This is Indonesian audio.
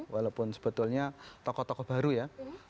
walaupun sebetulnya tokoh tokoh baru ya